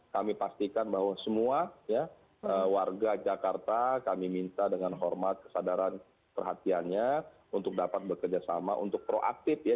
kami pastikan bahwa semua warga jakarta kami minta dengan hormat kesadaran perhatiannya untuk dapat bekerjasama untuk proaktif ya